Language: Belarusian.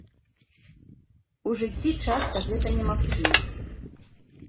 У жыцці часта гэта немагчыма.